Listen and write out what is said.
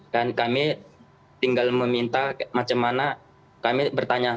dan kami tinggal meminta macam mana kami bertanya